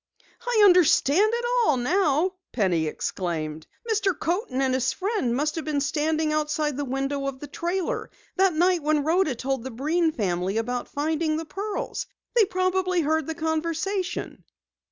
"I understand it all now!" Penny exclaimed. "Mr. Coaten and his friend must have been standing outside the window of the trailer that night when Rhoda told the Breen family about finding the pearls! They probably heard the conversation."